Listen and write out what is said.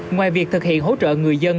ngoài việc thực hiện hỗ trợ người dân